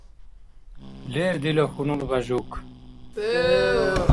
Лер дила хьунул Бяжук.